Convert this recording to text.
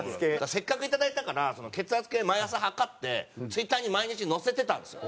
せっかくいただいたから血圧計毎朝測ってＴｗｉｔｔｅｒに毎日載せてたんですよ